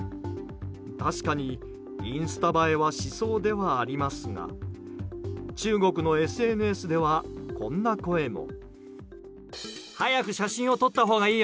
確かにインスタ映えはしそうではありますが中国のＳＮＳでは、こんな声も。